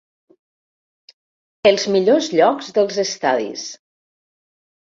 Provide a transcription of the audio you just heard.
Els millors llocs dels estadis.